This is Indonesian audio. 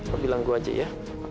lo bilang gue aja ya